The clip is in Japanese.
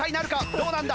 どうなんだ？